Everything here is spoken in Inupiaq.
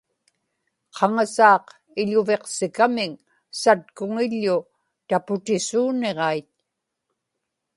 qaŋasaaq iḷuviqsikamiŋ satkuŋiḷḷu taputisuuniġait